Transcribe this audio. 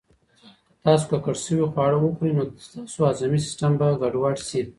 که تاسو ککړ شوي خواړه وخورئ، نو ستاسو هضمي سیسټم به ګډوډ شي.